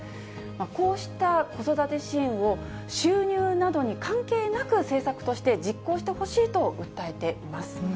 こうした子育て支援を収入などに関係なく政策として実行してほしいと訴えています。